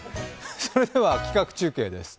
それでは企画中継です。